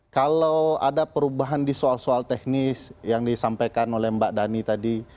kalau ada perubahan di soal soal teknis yang disampaikan oleh mbak dhani tadi